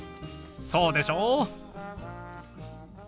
そうでしょう？